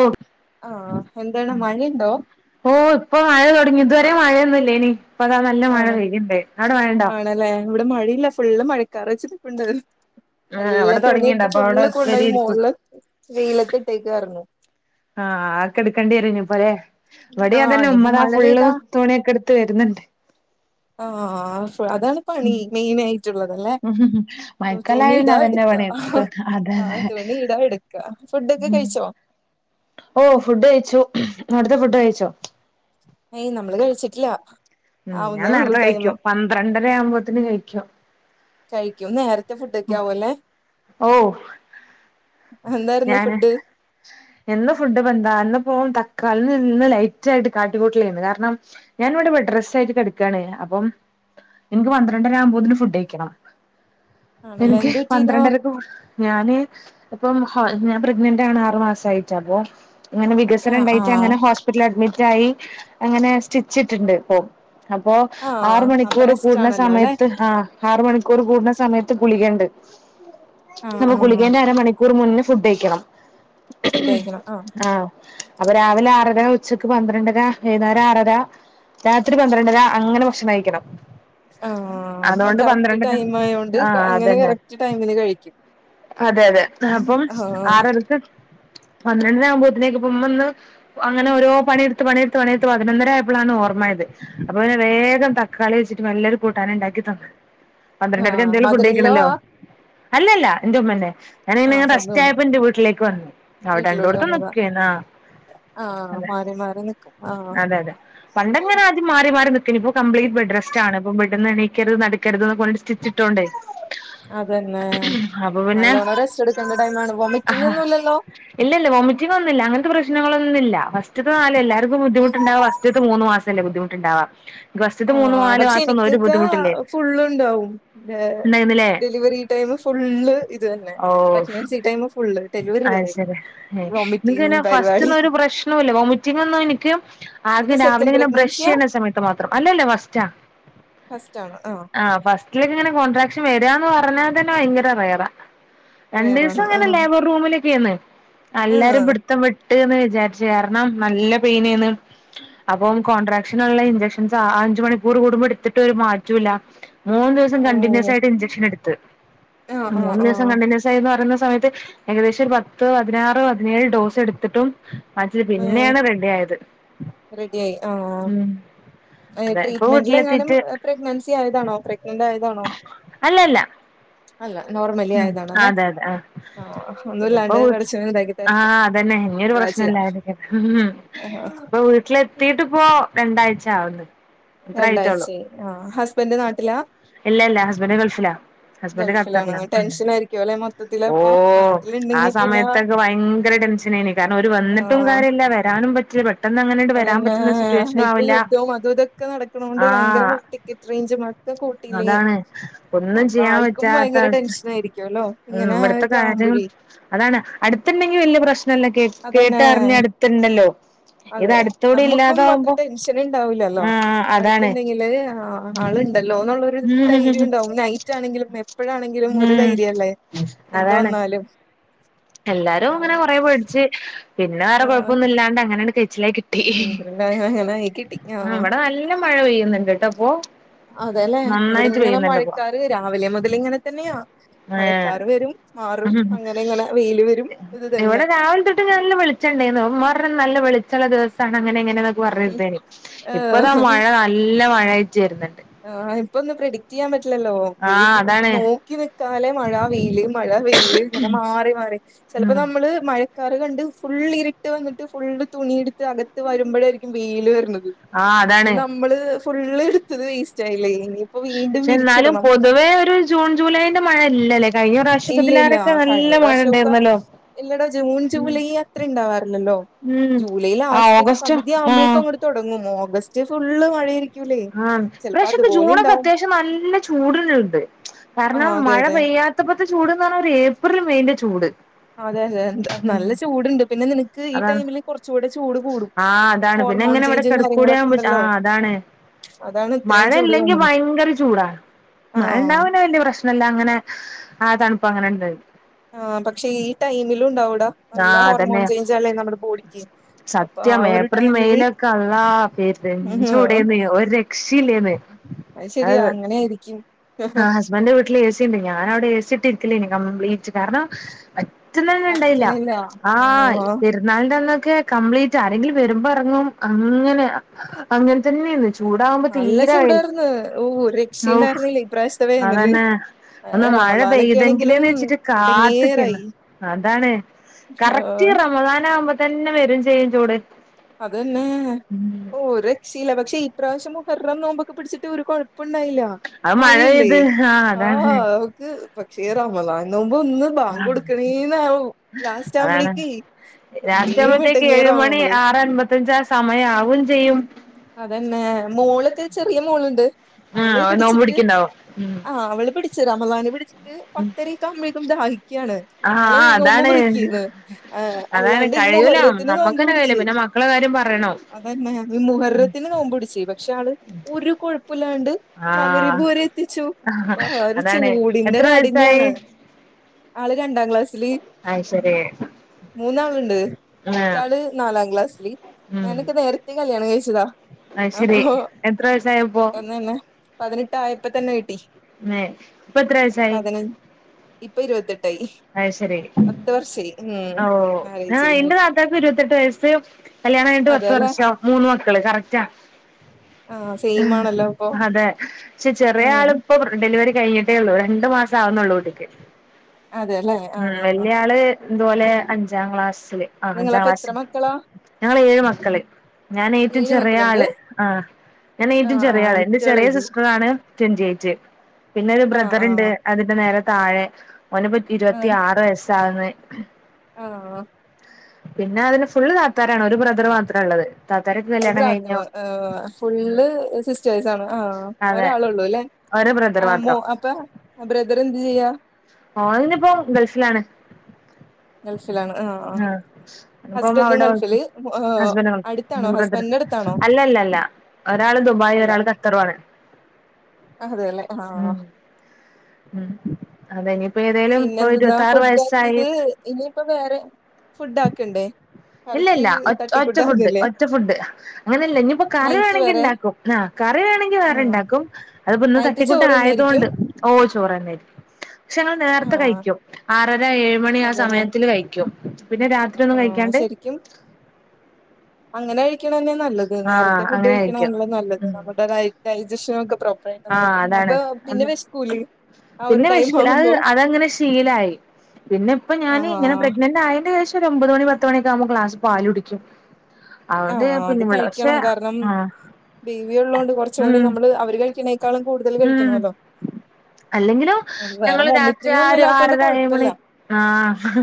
ഓ ട് ആഹ് എന്താണ് മഴയ്ണ്ടോ ഓ ഇപ്പൊ മഴ തൊടങ്ങി ഇതുവരെ മഴെന്നുല്ലേയ്നി ഇപ്പതാ നല്ല മഴ പെയ്യ്ണ്ട് അവ്ടെ മഴണ്ടോ ഇവ്ടെ മഴയില്ല ഫുള്ള് മഴക്കാറ് വെച്ചിരിപ്പുണ്ട് ആഹ് എല്ല അവിടെ തുടങ്ങിണ്ട് തുണിയൊക്കെ അപ്പൊ അവിടെ ഫുള്ള് കൊണ്ടോയി വരേരിക്കും മോൾള് വെയിലത്തിട്ടേക്കുവാറ്ന്നു ആഹ് അഹൊക്കെ ഇട്ക്കെണ്ട്യെരും ഇഞ്പ്പല്ലെ ഇവടിം ആഹ് അതെന്നെ ഇനിയിപ്പോ ഉമ്മതാ മഴ ഫുള്ള് തുണിയൊക്കെ ഇട്ത്ത് വെര്ന്ന്ണ്ട് ആഹ് ആഹ് ആഹ് ഫ് അതാണ് പണി ഉം മെയ്നായ് റ്റ്ള്ളതല്ലേ അഹ് മഴക്കാലായ തുണി പിന്നെ ഇടാ അതന്നെ ഇട്ക്കാ പണി എത്തും അതെ ആഹ് അതെ തുണി ഇടാ ഇട് ക്കാ ഫുഡൊക്കെ ഉം കഴിച്ചോ ഓ ഫുഡ് കഴിച്ചു അവ്ട്ത്തെ ഫുഡ് കഴിച്ചോ ഏയ് നമ്മള് കഴിച്ചിട്ടില്ല ഉം ഞാൻ ആവുന്നേ ഉള്ളൂ നേരത്തെ ടൈമ് കഴിക്കും പന്ത്രെണ്ടര ആവുമ്പോത്തിന് കഴിക്കും കഴിക്കും നേരത്തെ ഫുഡൊക്കെയാവു അല്ലെ ഓ ഞാന് ഇന്നും ഫുഡ് പ്പഎന്താ ഇന്ന്പ്പോ തക്കാള് ഇന്ന് ഇന്ന് ലൈറ്റ് ആയിട്ട് കാട്ടി കൂട്ടലേയ്ന്ന് കാരണം ഞാൻ ഇവടെ ബെഡ്റെസ്റ്റായിട്ട് കെട്ക്കാണ് അപ്പം ഇൻക്ക് പന്ത്രണ്ടര ആവുമ്പോത്തിന് ഫുഡ് കഴിക്കണം ആണല്ലേ ഇൻക്ക് എന്ത് പറ്റിയതാ പന്ത്രണ്ടരക്ക് ഫു ഞാന് ഇപ്പം ഞാൻ ഹോ ഞാൻ പ്രഗ്നന്റ് ആണ് ആറ് മാസയിട്ട് അപ്പൊ ഇങ്ങനെ വികസനം ആഹ് ഇണ്ടായിറ്റ് ആഹ് അങ്ങനെ ഹോസ്പിറ്റൽല് അഡ്മിറ്റ് ആയി അങ്ങനെ സ്റ്റിച്ചിട്ട്ട്ട്ണ്ട് ഇപ്പൊ അപ്പൊ ആറ് ആഹ് അപ്പൊ മണിക്കൂറ് റെസ്റ്റ് കൂട്ണ ആണല്ലോ അല്ലെ സമയത്ത് ആഹ് ആറ് മണിക്കൂറ് കൂട്ണ സമയത്ത് ഗുളികണ്ട് ആഹ് അപ്പ ആഹ് ഗുളികേന്റെ അരമണിക്കൂർ മുന്നെ ഫുഡ് കഴിക്കണം ഫുഡ് കഴിക്കണം ആഹ് അപ്പൊ രാവിലെ ആറര ഉച്ചക്ക് പന്ത്രണ്ടര വെയ്ന്നാരം ആറര രാത്രി പന്ത്രണ്ടര അങ്ങനെ ഭക്ഷണം കഴിക്കണം ആഹ് അപ്പൊ അതുകൊണ്ട് കറക്റ്റ് പന്ത്രണ്ടര ടൈം ആയോണ്ട് ആഹ് അങ്ങനെ അതന്നെ കറക്റ്റ് ടൈമിന് കഴിക്കും അതെ അതെ അപ്പം ആഹ് ആറരക്ക് പന്ത്രണ്ടണി ആവുമ്പോത്തിനേക്ക് ഇപ്പൊ ഉമ്മ ഇന്ന് അങ്ങനെഓരോ പണി ഇട്ത്ത് പണിഇട്ത്ത് പണിഇട്ത്ത് പതിനൊരയപ്പളാണ് ഓർമ്മായത് ത് അപ്പൊ പിന്നെ വേഗം തക്കാളി വെച്ചിട്ട് നല്ലൊരു കൂട്ടാന് ഇണ്ടാക്കി തന്ന് പന്ത്രണ്ടരക്ക് ആഹ് എന്തേലും ഫുഡ് മദറിൻലോ കഴിക്കണല്ലോ ആ അല്ല അല്ല ഇൻ്റെ ഉമ്മന്നെ ആഹ് ഞാനയ്ന് റെസ് സ്വന്തം ഉമ്മ റ്റായപ്പ ന്റെ വീട്ടിലേക്ക് വന്ന് അവിടെ വീട്ടിലോട്ട് രണ്ടോട്ത്തും വന്നതാ നിക്കേയ്ന്ന് ആഹ് ആഹ് അതെ മാറി മാറി നിക്കും ആഹ് അതെ അതെ പണ്ടങ്ങനെ ആദ്യം മാറി മാറി നിക്കേയ്നു ഇപ്പം കംപ്ലീറ്റ് ബെഡ്റെസ്റ്റാണ് പ്പൊ ബെഡ്ഡ്ന്ന് എണീക്കര്ത് നടക്കര്ത് ന്നൊക്കെ പർഞ്ഞ്ട്ട് സ്റ്റിച്ചി ട്ടോണ്ടേ അപ്പൊ പിന്നെ ഇപ്പൊ ഇവ്ടെ അയ്ന്നാണ് വൊമിറ്റിങ് ആഹ് ഒന്നും ഇല്ലല്ലോ ഇല്ലല്ല വൊമിറ്റിങ് ഒന്നുല്ല അങ്ങൻത്തെ പ്രശ്നങ്ങളൊന്നുല്ല ഫസ്റ്റ്ത്തെ നാല് എല്ലാവർക്കും ബുദ്ധിമുട്ട് ഇണ്ടാവാ ഫസ്റ്റ്ത്തെ മൂന്ന് മാസ് സല്ലെ ബുദ്ധിമുട്ട്ഇണ്ടാവാ ആഹ് പക്ഷെ എനിക്കെക്കേ ഫുള്ള് ഇണ്ടാവും രെ ഇണ്ടായിരുന്നില്ലേ ഡെലിവറി ടൈമ് ഫുള്ള് ഇത് തന്നെ പ്രഗ്നൻസി ടൈമ് ഫുള്ള് ഡെലിവറി അഹ് വരെ ശരി ഉം ഇൻക്ക് വൊമിറ്റിംഗ് പിന്നെ പരിപാടി ഫസ്റ്റൊന്നും ഒരു പ്രശ്നോല്ല വൊമിറ്റിംഗ് ഒന്നും എനിക്ക് ഇത് ആകെ സെക്കൻഡ് രാവിലെങ്ങനെ ബ്രഷ് പ്രഗ്നൻസിയാ ചെയ്യണ സമയത്ത് മാത്രം അല്ലല്ല ഫസ്റ്റാ ഫസ്റ്റ് ആണ് ആ ആ ഫസ്റ്റിലിങ്ങനെ കോട്രാക്ഷൻ വരാന്ന് പറഞ്ഞാൽ തന്നെ ഭയങ്കര റെയറാ റെയറാണത് ഞ്ഞാന്ന് ലേബർ റൂമ് ലൊക്കെയ്ന്ന് ആഹ് എല്ലാരും പ്ട് പ്ട്ത്തം വിട്ട്ന്ന് വിചാരിച്ചു കാരണം നല്ല പെയിനേന്ന് അപ്പം കോൺട്രാക്ഷന്ള്ള ഇഞ്ചക്ഷൻസ് ആ അഞ്ച് മണിക്കൂർ കൂടുമ്പോ എടുത്തിട്ട് ഓര് മാറ്റൂല്ല മൂന്ന് ദിവസം കണ്ടിന്യൂസ് ഓഹ് ആയിട്ട് ഇഞ്ചക്ഷൻ എടുത്ത് ആഹ് ആഹ് മൂന്ന് ദിവസം ആഹ് കണ്ടിന്യൂസ് ആയിന്ന് പറഞ്ഞാ സമയത്ത് ഏകദേശം ഒരു പത്ത് പതിനാറ് പതിനേഴ് ഡോസ് എടുത്തിട്ടും മറ്റത് ആഹ് പിന്നേണ് റെഡി ആയത് ഉം ഏ അതെ ഇപ്പൊ ട്രീറ്റ്മെന്റ്ലെങ്ങാനും വീട്ടിലെത്തിട്ട് പ്രെഗ് നൻസി ആയതാണോ പ്രഗ്നന്റ് ആയതാണോ അല്ലല്ല അല്ല നോർമലി ഉം ആയതാണല്ലേ അതെ അതെ ആ ആഹ് പിന്നെ പ്പോ ഒന്നുല്ലാണ്ട് വീട്ട്ല് പടച്ചോൻ ഇതാക്കി ആ തരട്ടെ അതന്നെ ഇഞ്ഞിരു ദുആ പ്രശ്നം ചെയ്യാം ഇല്ലാതിരിയ്ക്കട്ടെ [unintelligible] ഇപ്പൊ വീട്ടിലെത്തീട്ട് പപ്പോ രണ്ടാഴ്ച ആവുന്ന് അത്ര ആയിട്ടേള്ളൂ രണ്ടാഴ്ചയായി ആഹ് ഹസ്ബൻഡ് നാട്ടിലാ ഇല്ല ഇല്ല ഹസ്ബന്റ് ഗൾഫിലാ ഹസ്ബന്റ് ഗൾഫിലാണ് ഖത്തറിലാ ഉം ടെൻഷൻ ആയിരിക്കും അല്ലെ മൊത്തത്തില് ഓ അപ്പൊ ആ നാട്ടിലുണ്ടെങ്കി പിന്നെ സമയത്തൊക്കെ ഭയങ്കര ടെൻഷനേനി കാര്ണം ഓര് വന്നിട്ടും ആഹ് കാര്യല്ല വരാനും പറ്റൂലല്ലോ അതന്നെ ഇപ്പൊ യുദ്ധവും അതും ഇതൊക്കെ നടക്ക്ണോണ്ട് ഭയങ്കര ആഹ് ടിക്കറ്റ് റേഞ്ചുമാണ് ഒക്കെ കൂട്ടിയില്ലേ അതാണ് ഒന്നും അപ്പൊ ചെയ്യാൻ ആൾക്കും പറ്റാത്ത ഭയങ്കര അവസ്ഥ ടെൻഷൻ ആയിരിക്ക്യല്ലോ ഓ ഉം ഇങ്ങനെ ഇവിടുത്തെ ഓക്കെ കാര്യം ആവുമ്പഴേ അതാണ് അടുത്ത്ണ്ടെങ്കി വല്യ പ്രശ്നല്ല കേ അതന്നെ കേട്ടറിഞ്ഞ് അടുത്ത്ണ്ടല്ലോ അതെ നമ്മുക്കും അത്ര ടെൻഷൻ ഉണ്ടാവൂലല്ലോ ആഹ് അതാണ് അടുത്തുണ്ടെങ്കില് ആ ആ ആളുണ്ടല്ലോന്നുള്ളൊരു ഉം ധൈര്യം ഉണ്ടാവും നൈറ്റാണെങ്കിലും എപ്പോഴാണെങ്കിലും ങ്കിലും ഒരു ധൈര്യ അല്ലേ എന്ത് അതാണ് വന്നാലും എല്ലാരും അങ്ങനെ കൊറേ പേഠിച്ച് പിന്നെ വേറെ ആഹ് കുഴപ്പൊന്നുല്ലാണ്ടെ അങ്ങനെണ്ട് കയ്ച്ചിലായി കിട്ട് ആഹ് [unintelligible] [unintelligible] മഴ പെയ്യുന്നുണ്ട് ട്ടോ പ്പോ അതെ ലേ ഇവടെങ്ങനെ മഴക്കാറ് രാവിലെ മുതല് ഇങ്ങനെ തന്നെയാ മഴക്കാറ് ഏഹ് വെരും മാറും അങ്ങനെ ഇങ്ങനെ വെയില് വെ ഇവ്ടെ രാവിലെ തൊട്ട് നല്ല വെളിച്ചണ്ടേയ്ന്നു അപ്പം ഇമ്മ പർഞ്ഞു നല്ല വെളിച്ചള്ള ദിവസാണ് അങ്ങനെ ഇങ്ങനെ ന്നൊക് പർഞ്ഞതേയ്നി ഏഹ് ഇപ്പതാ മഴ നല്ല മഴായ്റ്റ് വെര്ന്ന്‌ണ്ട്. ആ ഇപ്പൊന്നും പ്രെഡിക്ട് ചെയ്യാം പറ്റില്ലല്ലോ നീ ആഹ് അതാണ് നോക്കി നിക്കാലെ മഴ വെയില് മഴ വെയില് ഇങ്ങനെ മാറി മാറി ചെലപ്പോ ഉം ന്നമ്മള് മഴ ക്കാറ് കണ്ട് ഫുള്ള് ഇരിട്ട് വന്നിട്ട് ഫുള്ള് തുണി എടുത്ത് അകത്ത് വരുമ്പഴാരിക്കും വെയില് വെര്ണത്. ആ അതാണ്. നമ്മള് ഫുള്ള് ഇട്ത്തത് വേസ്റ്റ് ആയില്ലേ ഇനി നീ പക്ഷെ ന്നാലും പൊതുവേ ഒരു ജൂൺ ജൂലൈ യിന്റെ മഴ ഇല്ല ലേ കഴിഞ്ഞ പ്രാവശ്യ ഇല്ല ഇല്ല പ്പതിലാറെ ക്കെ നല്ല കഴിഞ്ഞ മഴ പ്രാവശ്യൊക്കെ ണ്ടായിര്ന്നല്ലോ. ഇല്ലടാ ജൂൺ ജൂലൈ അത്രണ്ടാവാറില്ലല്ലോ ഉം ജൂലൈ ആഹ് ലാസ്റ്റ് ഓഗസ്റ്റ് പകുതി ആവുമ്പോഴേക്കും ആഹ് അങ്ങ്ട് തൊടങ്ങും ഓഗസ്റ്റ് ഫുള്ള് മഴേയിരിക്കും ലേ. ആ ഇപ്രാവശ്യക്കൊ ജൂണൊക്കെ അത്യാവശ്യം നല്ല ചൂടിനുണ്ട് ആഹ് കാര്ണം അതെ അതെ മഴ പെയ്യാത്ത എത്തപ്പത്തെ ചൂട്ന്ന്‌ പറഞ്ഞാ ഒര് ഏപ്രിൽ മെയിന്റെ ചൂട്. അതെ അതെ ഉം നല്ല ചൂടുണ്ട് പിന്നെ ന്നിനക്ക് ഈ അതാണ് ടൈമില് കൊറചൂടെ ചൂട് കൂടും. ആഹ് അതാണ് പിന്നെ ഹോർമോൺ ഇങ്ങനെ ഇവ്ടെ ചേഞ്ചും കാര്യങ്ങളൊക്കെ കെടക്കൂടെയാവുമ്പോ ആ ഉണ്ടല്ലോ അതാണ്. അതാണ് ഇത്രയും മഴ ചൂട് ഇല്ലെങ്കി തോന്നുന്നത് ഭയങ്കര ചൂടാ മഴ ഇണ്ടായ ആഹ് പിന്നെ വെല്യ പ്രശ് ല്ലാ അങ്ങനെ ആ തണുപ്പ അങ്ങനെ ഇണ്ട് ആഹ് പക്ഷെ ഈ ടൈമിലും ഉണ്ടാവെടാ ആഹ് അതന്നെ അപ്പൊ ആ സത്യം ഒരു ഏപ്രിൽ ടൈമില് മെയിലൊക്കെ അള്ളാ പെരും രൂം ചൂടെന്ന് ഒരു രക്ഷീല്ലേന്ന്. അത് ശരിയാ അങ്ങനെയായിരിക്കും. ഇമ്മാന്റെ വീട്ടില് എ സി ണ്ട് ഞാനവടെ എ സി ഇട്ട് ഇരിക്കലേയ്നി കംപ്ലീറ്റ് കാരണം പറ്റുന്നെന്ണ്ടെയ്ല. പറ്റണില്ല ആഹ് പെര് ന്നാളിന്റെ അന്നൊക്കെ കംപ്ലീറ്റ് ആരെങ്കിലും വരുമ്പോ എറങ്ങും അങ്ങനെ അങ്ങനെ തന്നെയ്ന്ന്. ചൂടകുമ്പോ നല്ല തീരേ വെയ്‌ ചൂടാർന്ന് ഓ ഒരു രക്ഷയും ഔ ഉണ്ടായിരുന്നില്ല ഇപ്രാവശ്യത്തെ വേനല് അതന്നെ ആ, ഒന്ന് മഴ റമദാനൊക്കെ ആണെങ്കിലും പെയ്തെങ്കില്ന്ന് വെച്ചിട്ട് കാത്ത്ക്കേന്ന് എടങ്ങേറായി അതാണ് കറക്റ്റ് ആഹ് റമദാന് ആവുമ്പ തന്നെ വെരും ചെയ്യും ചൂട്. അതന്നെ ഓര് ശില പക്ഷേ ഈ പ്രാവശ്യം മുഹറം നോമ്പൊക്കെ പിടിച്ചിട്ട് ഒരു കൊഴപ്പൊണ്ടായില്ല. അത് മഴ മഴയില്ലേ പെയ്ത് അതാണ് ആഹ് നമുക്ക് പക്ഷേ റമളാൻ നോമ്പ് ഒന്ന്. ബാങ്കൊടുക്കണേന്നാവും ലാസ്റ്റ് അതാണ് ആവുമ്പയേക്കേ ലാസ്റ്റ് ആവുമ്പഴത്തേക്ക് ഏഴുമണി ആറ് അൻമ്പത്തഞ്ചാ ആ സമയാവും ചെയ്യും അതന്നെ മോളൊക്ക് ചെറിയ മോള്ണ്ട്. അവള് ആഹ് നോമ്പ് പിടിച്ചിട്ട് പിടിക്ക്ണ്ടാവും ആഹ് അവള് പിടി ച്ച് റമളാന്ന്‌ പിടിച്ചിട്ട് പത്തരെക്കെ ആവുമ്പയെക്കും ദാഹിക്ക് ആണ്. ആഹ് ആള് ആഹ് നോമ്പ് അതാണ് മുറിക്കീന്ന് അതാണ് അല്ലാണ്ട് ഈ കഴിയൂല മുഹറത്തിന് നോമ്പ് നമ്മക്കന്നെ കഴിയൂല പിടിച്ച് പിന്നെ മക്കളെ കാര്യം പറയണോ. തന്നെ ഈ മുഹറത്തിന് നോമ്പ് പിടിച്ച് പക്ഷെ ആള് ഒരു കൊഴപ്പൊല്ലാണ്ട്. ആഹ് മഗ്രിബ് വരെ എത്തിച്ചു പ ഒരു അതാണ് ചൂടിന്റെ എത്ര വയസ്സായി കാഠിന്യാണ്. ആള് രണ്ടാം ക്ലാസില് അയ്ശരി മൂന്നാള്ണ്ട് ആഹ് മൂത്താള് നാലാം ക്ലാസ്സില് ഉം ഞാനൊക്കെ നേരത്തെ കല്യാണം കഴിച്ചതാ. അത് അപ്പൊ ശരി എത്ര വയസായപ്പോ പെട്ടെന്ന് തന്നെ പതിനെട്ട് ആയപ്പോ തന്നെ കെട്ടി മേ ഇപ്പൊത്ര വയസായി ഇപ്പൊ ഇരുപത്തെട്ടായി അയ് ശരി പർ ശരി ഉം ഓ മാരേജ് ആഹ് ഇന്റെ കഴിഞ്ഞിട്ട് താത്താക്കും ഇരുപത്തെട്ട് വയസ് കല്യാണം കഴിട്ട് പത്ത് അതെല്ലേ വർഷം മൂന്ന് മക്കള് കറക്റ്റാ ആ സെയിം ആണല്ലോ അപ്പൊ അതെ ക്ഷെ ചെറിയ ഉം ആളിപ്പോ ഡെലിവറി കഴിഞ്ഞിട്ടേ ഉള്ളൂ രണ്ടു മാസം ആവുന്നുള്ളൂ കുട്ടിക്ക്. അതെല്ലേ ആ ഉ വല്യാള് ഇതുപോലെ അഞ്ചാം ക്ലാസ്സില് നിങ്ങളപ്പ എത്ര മക്കള ഞങ്ങങ്ങള് ഏഴ് മക്കള് ഞാൻ ഏറ്റവും ഏഴ് ചെറിയ മക്കളുണ്ട് ആള് ആഹ് ഞാൻ ആ ഏറ്റവും ആ ചെറിയ ആള എന്റെ ചെറിയ ഇറ്റളേത് സിസ്റ്ററാണ് ചിൻ ചോയ്ച്ചേ പിന്നെ ഒരു ബ്രദറുണ്ട് ആഹ് അതിന്റെ നേരെ താഴെ അവനെ പതി ത്തി ആറ് വയസ്സാവുന്ന് ആന്നോ പിന്നെ അതിന് ഫുള്ള് താത്താരാണ് ഒരു ബ്രദർ മാത്രം ഉള്ളത് താത്താരൊക്കെ ഒരു കല്യാണം കഴിഞ്ഞു [unintelligible] ഏഹ് ഉം ഫുള്ള് സിസ്റ്റേഴ്സാ ആണ് ആ അതെ ഒരാളെ ഒള്ളു അല്ലെ ഒരു ബ്രദർ ആഹ് മോ മാത്രം അപ്പ ബ്രദർ എന്ത് ചെയ്യാ ഓന് ഇനിപ്പോ ഗൾഫിലാണ് ആഹ് ഓൻ ഇപ്പെ ഹസ്ബൻഡും അവിടെ ഹോസ്പി ഗൾഫില് ഹസ്ബൻഡോ അടുത്താണോ ബ്രദർ ഹസ്ബൻഡിന്റെ അടുത്താണോ അല്ലല്ലല്ല ഒരാള് ദുബായി അല്ല ഒരാൾ ഖത്തറു ആണ് അതെല്ലേ ആഹ് ഉം ഉം അതെ ഇനിയിപ്പോ ഏതെലും ഇന്നാ ആ ഫുഡ് ആക്കിയത് ഇനിയിപ്പോ വേറെ ഫുഡ് ആക്കണ്ടേ ഇല്ല കറിക്ക് ഇല്ല ഒ ഒറ്റ ഫുഡ് തട്ടിക്കൂട്ടാർന്നില്ലേ ഒറ്റ ഫുഡ് അങ്ങനെയല്ല ഇനിയിപ്പോ കറി നൈറ്റ് വേണമെങ്കി വരെ ഇണ്ടാക്കും ആ കറി വേണെങ്കിൽ വേറെ ആഹ് ഇണ്ടാക്കും അത് ഇപ്പം ഇന്ന് നൈറ്റ് തട്ടിക്കൂട്ട് ചോറ് തന്നെയായിരിക്കും ആയതോണ്ട് ഓഹ് ചോറന്നേയിരിക്കും പക്ഷെ ഞങ്ങൾ നേരത്തെ ആഹ് കഴിക്കും ആറര ഏഴ മണി ആ സമയത്തില് കഴിക്കും പിന്നെ രാത്രി ഒന്നും ആന് കഴിക്കാണ്ട് ശരിക്കും അങ്ങനെ കഴിക്കണം തന്നെ നല്ലത് നേരത്തെ ആഹ് ഫുഡ് അങ്ങനെ കഴിക്കും കഴിക്കണണല്ലോ നല്ലത് ഉം നമ്മുടെ [unintelligible] ആഹ് നടക്കും അതാണ് അപ്പം പിന്നെ വിശക്കൂലേ പിന്നെ വിശക്കു അത് അതങ്ങനെ ശീലായി പിന്നെ ഇപ്പം ഞാന് ആഹ് ഇങ്ങനെ പ്രഗ്നന്റ് ആയതിന്റെ ശേഷം ഒമ്പത് മണി പത്ത് പത്ത് മണിക്കാവുമ്പോ ഒരു ക്ലാസ് പാല് കുടിക്കും അതുകൊണ്ട് ആഹ് അത് പിന്നെവിള പക്ഷെ കഴിക്കണം കാരണം ആ ബേബിയ ഉള്ളതോണ്ട് കുറച്ചുകൂടി ഉം നമ്മള് അവര് കഴിക്കണ ക്കാളും കൂടുതൽ ഉം കഴിക്കണല്ലോ അല്ലെങ്കിലും ഞങ്ങള് രാത്രി വൊമിറ്റിംഗ് ആ ഒന്നും ഒരു ഇല്ലാത്തോണ്ട് ആറര ഏഴ് മണി കുഴപ്പല്ല ആഹ്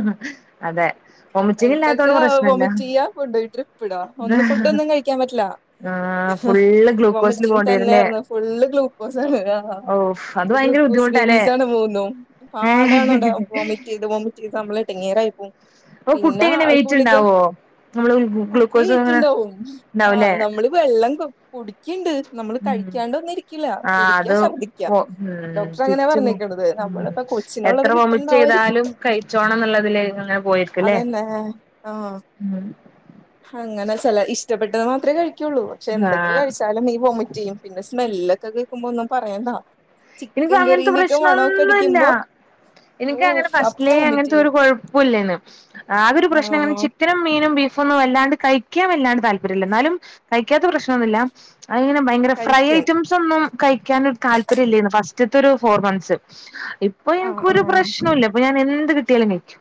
അതെ വൊമിറ്റിംഗ് ഇല്ലാത്തോണ്ട് ക്കൊക്കെ പ്രശ്നല്ല വോമിറ്റ് ചെയ്യാ കൊണ്ടു പേയിട്ട് ഒന്നും ഫുഡ് ഒന്നും കഴിക്കാൻ പറ്റില്ല ആ ഫുള്ള് ഗ്ലൂക്കോസിൽ വോമിറ്റിങ് പോകേണ്ടി വരുംല്ലേ തന്നെയായിരുന്നു ഫുള്ള് ഗ്ലൂക്കോസ് ആണ് ആ ഓ അത് ഭയങ്കര ഗ്ലൂക്കോസ് ബുദ്ധിമുട്ടാല്ലേ ബേബീസ് ആണ് മൂന്നും ഏ പാടണോാ വോമിറ്റ് ചെയ്ത് വോമിറ്റ് ചെയ്ത് നമ്മള എടങ്ങറായി പോവും അപ്പം കുട്ടി എങ്ങനെ വെയിറ്റ് ഉണ്ടാവോ നമ്മള് കുട്ടി ഗ്ലൂക്കോസ് വെയിറ്റ് അങ്ങനെ ഉണ്ടാവും ആഹ് ഉണ്ടാവൂലേ നമ്മള് വെള്ളം കുടിക്കിണ്ട് നമ്മള് കഴിക്കാണ്ട ഇങ്ങനെ ഇരി ആഹ് അത് ഉം ഡോക്ടർ അങ്ങനെ തിരിച്ച് ഉം പറഞ്ഞേക്കണത് നമ്മളിപ്പ എത്ര കൊച്ചിനുള്ളത് വെമിറ്റ കിട്ടണ്ടാവായിരിക്കും ചെയ്താലും കഴിച്ചോണം എന്നുള്ളതിലേ അങ്ങനെ പോയിരിക്കല്ലേ അതന്നെ ആഹ് ഉം അങ്ങനെ ചില ഇഷ്ടപ്പെട്ടത് മാത്രമേ കഴിക്കുള്ളൂ പക്ഷെ എന്തൊക്കെ ആഹ് കഴിച്ചാലും ഈ വോമിറ്റ് ചെയ്യും പിന്നെ സ്മെല്ലൊക്കെ കേൾക്കുമ്പോ ഒന്നും പറയണ്ടാ ഇനിപ്പോ അങ്ങനത്തെ പ്രശ്നം ഒന്നും ഇല്ല എനക്ക് അങ്ങനെ ഓഹ് അപ്പൊ ഫസ്റ്റിലേ വൊമിറ്റ് അങ്ങനത്തെ ചെയ്യും ഒരു കൊഴപ്പല്ലയ്ന്നു ആകെ ഒരു പ്രശ്നം അങ്ങനെ ആഹ് അന്നേരം മീനും ബീഫും ഒന്നും വല്ലാണ്ട് കഴിക്കാൻ വല്ലാണ്ട് താല്പര്യമില്ല ഇന്നാലും കഴിക്കാത്ത പ്രശനൊന്നുമില്ല അങ്ങനെ ഭയങ്കര ഫ്രൈ കഴിക്കും ഐറ്റംസ് ഒന്നും കഴിക്കാനൻ താല്പര്യം ഇല്ലയിരുന്നു ഫസ്റ്റത്തെ ഒരു ഫോർ മന്ത്സ് ഇപ്പൊ ആഹ് എനിക്കരു ആഹ് പ്രശ്നല്ല ഇപ്പൊ ഞാൻ എന്ത് കിട്ടിയാലും കയിക്കും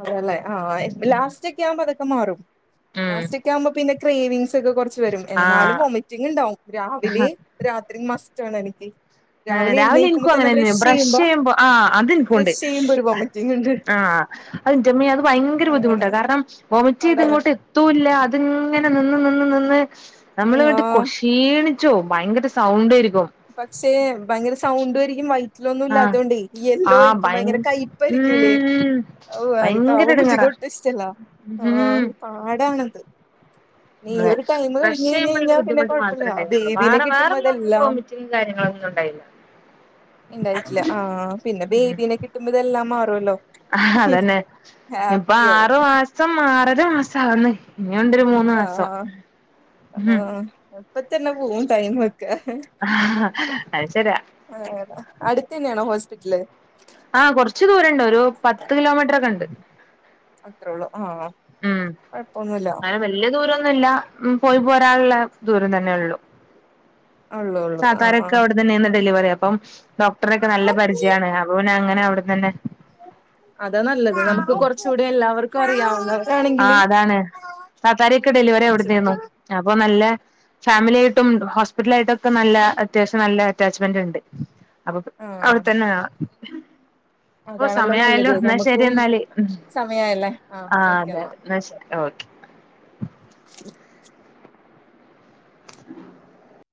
അതെല്ലേ ആഹ് ഇപ്പം ലാസ്റ്റ് ഒക്കെ ആവുമ്പോ അതൊക്കെ മാറും ഉം ലാസ്റ്റക് ആകുമ്പോ പിന്നെ ക്രേവിങ്സ് ഒക്കെ കുറച്ച് വരും എന്നാലും ആഹ് വോമിറ്റിംഗ് ഉണ്ടാവും രാവിലെ രാത്രി മസ്റ്റ്ണ് എനിക്ക് ആഹ് രാവിലെ എനിക്കും അങ്ങനെന്നെ ബ്രഷ് ചെയ്യുമ്പോ ആഹ് അതെനിക്കും ഉണ്ട് ബ്രഷ് ചെയ്യുമ്പോ ഒരു വൊമിറ്റിംഗ് ഉണ്ട് ആഹ് അയിന്റെമ്മേ അത് ഭയങ്കര അങ്ങനെ ബുദ്ധിമുട്ടാണ് കാരണം വോമിറ്റ് ചെയ്ത് പാടാണ് ഇങ്ങോട്ട് എത്തൂല്ല അത് അങ്ങനെ നിന്ന് നിന്ന് നിന്ന് നമ്മള് ഇങ്ങട്ട് കൊ ആഹ് ശീണിച്ചോ ഭയങ്കര സൗണ്ട് ആയിരിക്കും പക്ഷെ ഭയങ്കരം സൗണ്ട് ആരിക്കും വൈ വട്ടൊന്നും ഇല്ല ആഹ് അതുകൊണ്ട് യെല്ലോ ആഹ് ആയിരിക്കുമ്പോ ഭയ ഭയങ്കര കയപ്പായിരിക്കും ഇല്ലേ ഉം ഔ അനക്ക് ഭയങ്കര എടങ്ങേറാ [unintelligible] ഇതിഷ്ടല്ല ആഹ് ഉം ഒര് പാടാണത് ഉം അതെ ഒരു ടൈമ ബ്രഷ് കഴിഞ്ഞ് കഴിഞ്ഞ് ചെയ്യുമ്പൊള്ളൊരു കഴിഞ്ഞാ പിന്നെ ബുദ്ധിമുട്ട് മാത്രേ കൊഴപ്പല്ല ഉണ്ടായിരുന്നുള്ളൂ ബേബിനെ വേറെ കിട്ടുമ്പോ വേറെള്ള അതെല്ലാം [unintelligible] കാര്യങ്ങളൊന്നും ഉണ്ടായില്ല ഉണ്ടായിട്ടില്ല ആ പിന്നെ ഉം ബേബീ നെ കിട്ടുമ്പോ ഇതെല്ലാം മാറൊല്ലോ അതന്നെ ഇപ്പൊ ആറു മാസം ആറര മാസം ആക്ണ് ഇഞ്ഞുണ്ടൊരു മൂ ആഹ് ആഹ് അപ്പ തന്നെ പോവും ടൈമൊക്കെ അത് ശരിയാ ആഹ് ടാ അടുത്തന്നേണോ ഹോസ്പിറ്റല് ആഹ് കൊറച്ച് ദൂരണ്ട് ഒരു പത്ത് കിലോമീറ്റർ ഒക്കെണ്ട് അത്രേ ഉള്ളൂ ആഹ് കൊഴപ്പൊന്നുല്ല വല്ല്യ ദൂരൊന്നുല്ല ഉം പോയി പോരാന്ള്ള ദൂരം തന്നെ ഉള്ളു ഉള്ളൂ ഉള്ളൂ ആഹ് താത്താരൊക്കെ ആഹ് അവിടെ തന്നേന്ന് ഡെലിവറി അപ്പം ഡോക്ടറെക്കെ നല്ല പരിചയാണ് അ അങ്ങനെ അവിട തന്നെ അതാ നല്ലത് നമുക്ക് കൊറച്ച് കൂടി എല്ലാവർക്കും അറിയാവുന്ന ആഹ് അതാണ് താത്താരി ഒക്കെ ഡെലിവറി അവിട തീ കുറച്ച് ർന്നു അപ്പൊ നല്ല ഫാമിലി ആയിട്ടും ഹോസ്പിറ്റലാ യിട്ടൊക്കെ നല്ല അത്യാവശ്യം നല്ല അറ്റാച്ച്മെന്റ്ണ്ട് അപ്പം ആഹ് അവിടെത്തന്നെ ആണ് ഓഹ് അതാണല്ലോ സമയായല്ലോ നല്ലത് എന്നാ ശരി നമുക്കും എന്നാല് ഉം സമയായല്ലേ ഓക്കെ ആഹ് എന്നാ ന്നാ ശരി ഓക്കെ [inaudible] [inaudible]